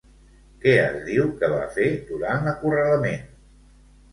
Què es diu que va fer durant acorralament?